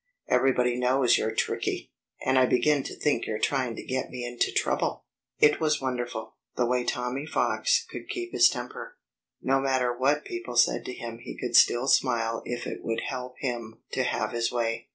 Everybody knows you're tricky. And I begin to think you're trying to get me into trouble." It was wonderful, the way Tommy Fox could keep his temper. No matter what people said to him he could still smile if it would help him to have his way.